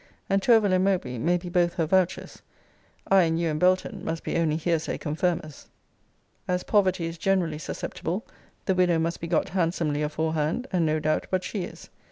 and Tourville and Mowbray may be both her vouchers I, and you, and Belton, must be only hearsay confirmers. As poverty is generally suspectible, the widow must be got handsomely aforehand; and no doubt but she is.